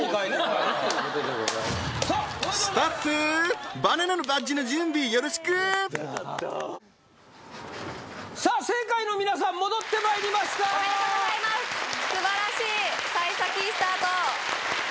スタッフバナナのバッジの準備よろしくさあ正解の皆さん戻ってまいりましたおめでとうございますすばらしいさい先いいスタート